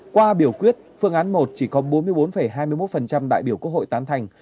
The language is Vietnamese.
qua biểu quyết phương án một chỉ có bốn mươi bốn hai mươi một đại biểu quốc hội tán thành